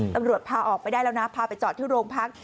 ตำรวจพาออกไปได้แล้วนะพาไปจอดที่โรงพัก